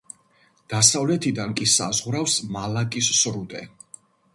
დასავლეთიდან კი საზღვრავს მალაკის სრუტე.